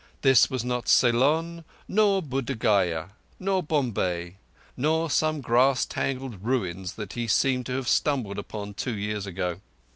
This was not Ceylon, nor Buddh Gaya, nor Bombay, nor some grass tangled ruins that he seemed to have stumbled upon two years ago.